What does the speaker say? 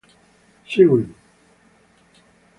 Seraing.